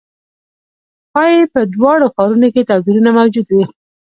ښايي په دواړو ښارونو کې توپیرونه موجود وي.